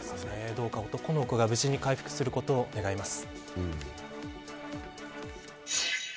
どうか男の子が無事に回復することを願います。